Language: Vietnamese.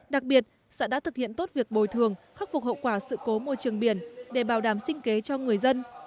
đặc biệt xã đã thực hiện tốt việc bồi thường khắc phục hậu quả sự cố môi trường biển để bảo đảm sinh kế cho người dân